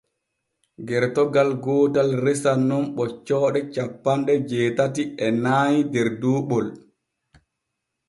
Gertogal gootal resan nun ɓoccooɗe cappanɗe jeetati e nay der duuɓol.